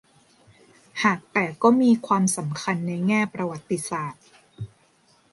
หากแต่ก็มีความสำคัญในแง่ประวัติศาสตร์